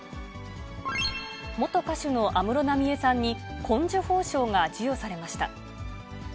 元歌手の安室奈美恵さんに紺綬褒章が授与されました。